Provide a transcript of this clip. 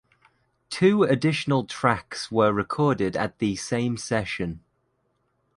Two additional tracks were recorded at the same session.